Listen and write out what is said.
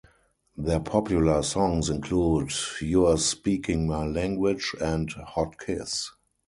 Their popular songs include "You're Speaking My Language" and "Hot Kiss".